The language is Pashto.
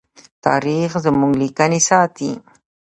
تاریخ زموږ لیکنې ساتي.